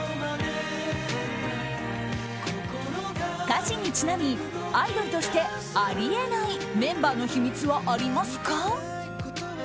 歌詞にちなみアイドルとしてあり得ないメンバーの秘密はありますか？